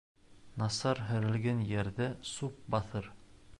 Насар һөрөлгән ерҙе сүп баҫыр.